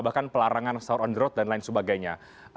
bahkan pelarangan sahur on the road dan lain sebagainya